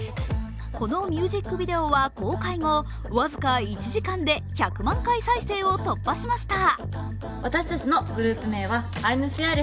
このミュージックビデオは公開後、僅か１時間で１００万回再生を突破しました。